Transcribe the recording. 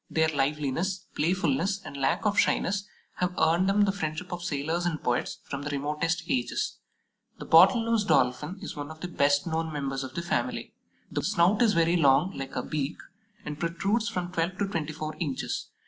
Their liveliness, playfulness, and lack of shyness have earned them the friendship of sailors and poets from the remotest ages. The Bottle nose Dolphin is one of the best known members of the family. The snout is very long, like a beak, and protrudes from twelve to twenty four inches.